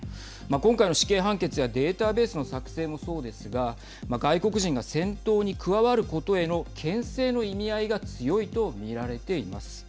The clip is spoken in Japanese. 今回の死刑判決やデータベースの作成もそうですが外国人が戦闘に加わることへのけん制の意味合いが強いとみられています。